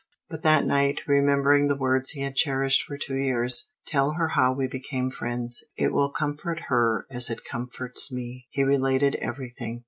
But that night, remembering the words he had cherished for two years, "Tell her how we became friends. It will comfort her, as it comforts me," he related everything.